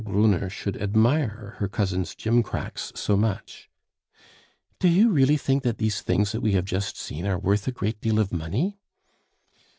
Brunner should admire her cousin's gimcracks so much. "Do you really think that these things that we have just seen are worth a great deal of money?"